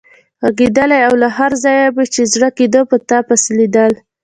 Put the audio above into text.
غږېدلای او له هر ځایه مې چې زړه کېده په تا پسې لیدلی.